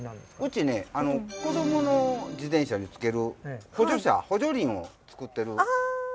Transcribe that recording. うちね子供の自転車につける補助輪を作ってる工場。